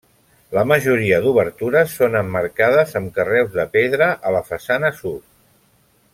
La majoria d'obertures són emmarcades amb carreus de pedra a la façana sud.